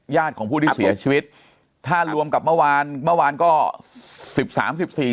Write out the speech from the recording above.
ของผู้ที่เสียชีวิตถ้ารวมกับเมื่อวานเมื่อวานก็สิบสามสิบสี่